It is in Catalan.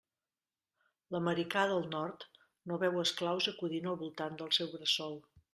L'americà del Nord no veu esclaus acudint al voltant del seu bressol.